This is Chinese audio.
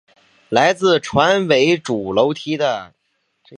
来自船尾主楼梯的锻铁穹顶碎片也已在碎片地带识别出来。